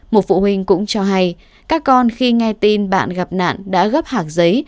một phụ huynh cũng cho hay các con khi nghe tin bạn gặp nạn đã gấp hạc giấy